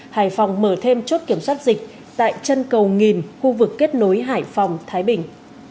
hải phòng mở thêm chốt kiểm soát dịch tại chân cầu nghìn khu vực kết nối hải phòng thái bình